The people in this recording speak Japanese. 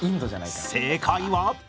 正解は？